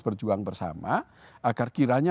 berjuang bersama agar kiranya